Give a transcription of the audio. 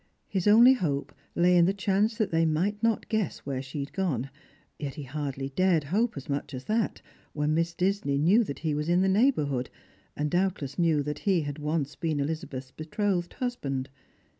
His only hope lay in the chance that they might not guess •where she had gone ; yet he hardly dared hope as much as that, when Miss Disney knew that he was in the neighbourhood, and doubtless knew that he had once been Elizabeth's betrothed husband.